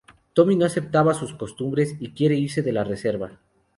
Tommy no aceptaba sus costumbres y quiere irse de la reserva.